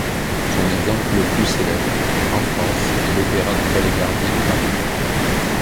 Son exemple le plus célèbre, en France, est l'opéra du palais Garnier de Paris.